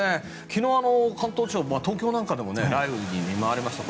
昨日、関東地方、東京なんかでも雷雨に見舞われました。